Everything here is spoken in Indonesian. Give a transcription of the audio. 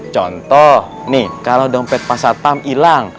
contoh nih kalau dompet pak ustadz pam hilang